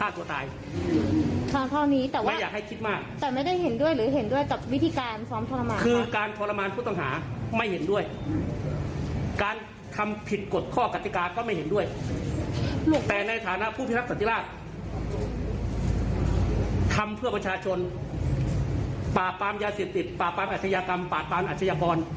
ทำเพื่อประชาชนปราปรามยาเสติดปราปรามอัศยากรรมปราปรามอัศยกร